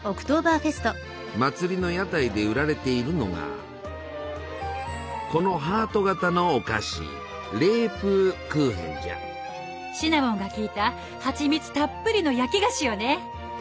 祭りの屋台で売られているのがこのハート形のお菓子シナモンが効いたハチミツたっぷりの焼き菓子よね。